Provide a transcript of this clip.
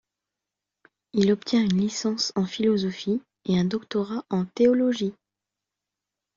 Il obtient une licence en philosophie et un doctorat en théologie.